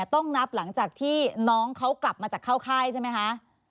ต้องนับหลังจากที่น้องเขากลับมาจากเข้าค่ายใช่ไหมคะ